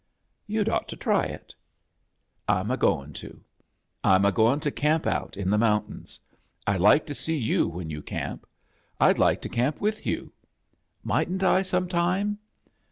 "You'd ought to try it." "Fm a going to. Vm a going to camp out in the mountains. I'd like to see you vhen you camp. I'd like to camp vith you. Mightn't I some time?"